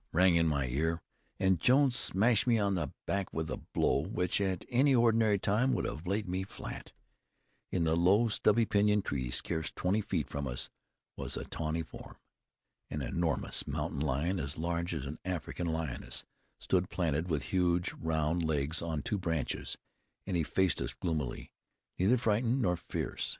rang in my ear, and Jones smashed me on the back with a blow, which at any ordinary time would have laid me flat. In a low, stubby pinyon tree, scarce twenty feet from us, was a tawny form. An enormous mountain lion, as large as an African lioness, stood planted with huge, round legs on two branches; and he faced us gloomily, neither frightened nor fierce.